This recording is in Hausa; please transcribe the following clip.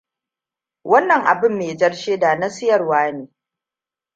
Wannan abin me jar sheda na siyarwa ne.